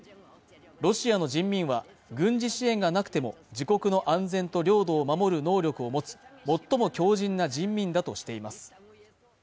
ロシアの人民は軍事支援がなくても自国の安全と領土を守る能力をもつ最も強靱な人民だとしています